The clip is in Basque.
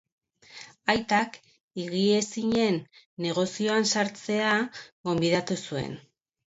Aitak higiezinen negozioan sartzera gonbidatu zuen.